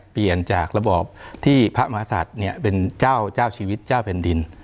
๒๔๕เปลี่ยนจากระบอบที่พระมหาศาจเป็นเจ้าชีวิตหัวแผ่นดิน